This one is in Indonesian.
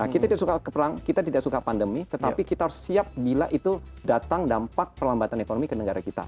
kita tidak suka pandemi tetapi kita harus siap bila itu datang dampak perlambatan ekonomi ke negara kita